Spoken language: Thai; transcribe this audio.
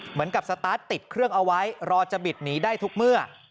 สตาร์ทติดเครื่องเอาไว้รอจะบิดหนีได้ทุกเมื่อ